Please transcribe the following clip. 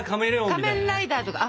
仮面ライダーとか。